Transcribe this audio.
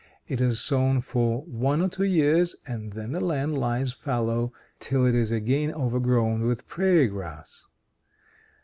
It is sown for one or two years, and then the land lies fallow till it is again overgrown with prairie grass.